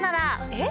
えっ？